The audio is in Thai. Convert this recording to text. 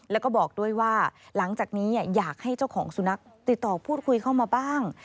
แล้วก็บอกด้วยว่าหลังจากนี้อยากให้เจ้าของสุนัขติดต่อพูดคุยเข้ามาบ้าง